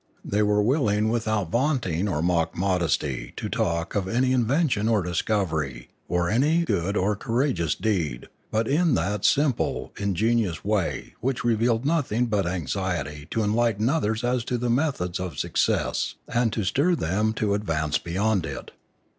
They were willing without vaunting or mock modesty to talk of any invention or discovery or any good or courageous deed, but in that simple, ingenuous way which revealed nothing but anxiety to enlighten others as to the methods of success and to stir them to advance beyond it.